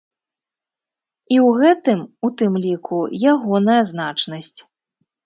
І ў гэтым, у тым ліку, ягоная значнасць.